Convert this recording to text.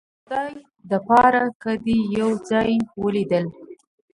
د خدای د پاره که دې یو ځای ولیدل